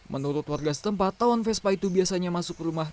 menurut warga setempat tawon vespa itu biasanya masuk ke rumah